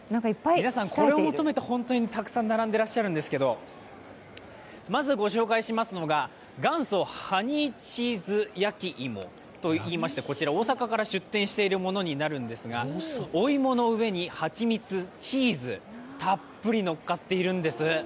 皆さん、これを求めて本当にたくさん並んでいらっしゃるんですけど、まずご紹介しますのが元祖ハニーチーズ焼き芋といいましてこちら、大阪から出店しているものになるんですがお芋の上に、蜂蜜、チーズたっぷりのっかっているんです。